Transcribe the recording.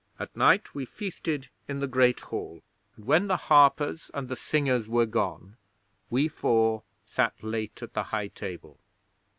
At night we feasted in the Great Hall, and when the harpers and the singers were gone we four sat late at the high table.